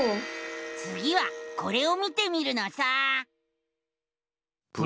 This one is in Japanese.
つぎはこれを見てみるのさ！